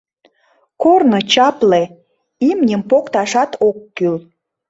Корно чапле, имньым покташат ок кӱл.